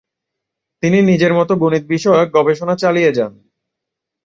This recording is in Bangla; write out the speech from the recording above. তিনি নিজের মত গণিত বিষয়ক গবেষণা চালিয়ে যান।